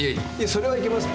それはいけません。